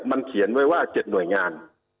มันเขียนไว้ว่า๗หน่วยงาน